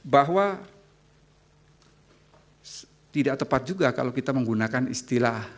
bahwa tidak tepat juga kalau kita menggunakan istilah